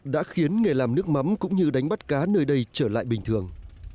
đã khiến nghề làm nước mắm cũng như đánh bắt cá nơi đây trở lại bình thường